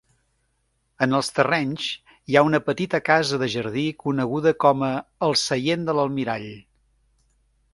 En els terrenys hi ha una petita casa de jardí coneguda com a "El seient de l'almirall".